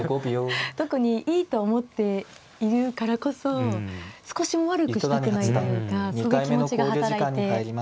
特にいいと思っているからこそ少しも悪くしたくないというかそういう気持ちが働いて。